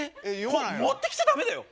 これ持ってきちゃダメだよ？